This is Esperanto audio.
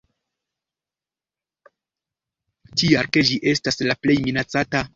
Tial, ke ĝi estas la plej minacata.